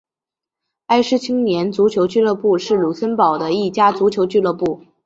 埃施青年足球俱乐部是卢森堡的一家足球俱乐部。